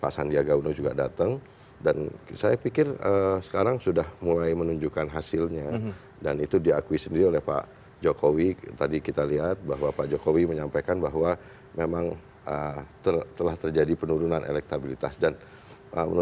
sebelumnya prabowo subianto